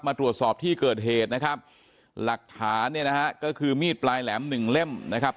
มาตรวจสอบที่เกิดเหตุนะครับหลักฐานเนี่ยนะฮะก็คือมีดปลายแหลมหนึ่งเล่มนะครับ